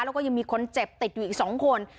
แล้วก็ยังมีคนเจ็บติดอยู่อีก๒คน